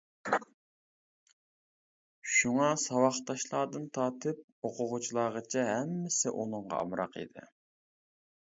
شۇڭا ساۋاقداشلاردىن تارتىپ، ئوقۇغۇچىلارغىچە ھەممىسى ئۇنىڭغا ئامراق ئىدى.